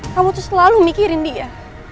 kamu tuh selalu mikirin dia